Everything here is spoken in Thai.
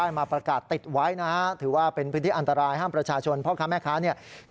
ลมมันก็พัดประตูประตูมันยังไม่ได้ล็อก